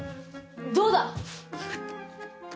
どうだ？